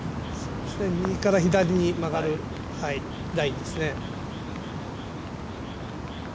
右から左に曲がるラインですね。